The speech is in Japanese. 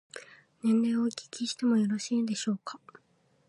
年齢をお聞きしてもよろしいでしょうか。